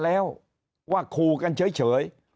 แล้วว่าคู่กันเฉย